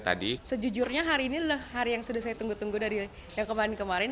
tadi sejujurnya hari ini adalah hari yang sudah saya tunggu tunggu dari yang kemarin kemarin